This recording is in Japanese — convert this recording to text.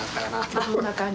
そんな感じ。